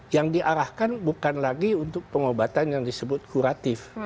yang diarahkan bukan lagi untuk pengobatan yang disebut kuratif